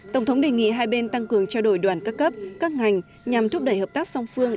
tổng thống đề nghị hai bên tăng cường trao đổi đoàn các cấp các ngành nhằm thúc đẩy hợp tác song phương